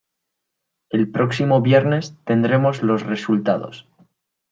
El próximo viernes tendremos los resultados.